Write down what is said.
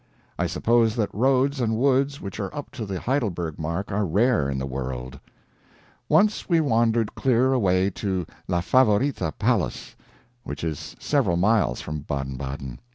I suppose that roads and woods which are up to the Heidelberg mark are rare in the world. Once we wandered clear away to La Favorita Palace, which is several miles from Baden Baden.